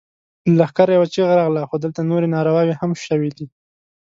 له لښکره يوه چيغه راغله! خو دلته نورې نارواوې هم شوې دي.